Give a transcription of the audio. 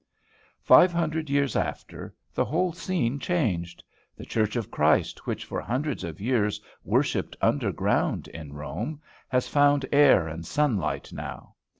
Five hundred years after, the whole scene is changed. The Church of Christ, which for hundreds of years worshipped under ground in Rome, has found air and sunlight now.